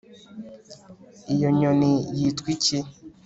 Iyo nyoni yitwa iki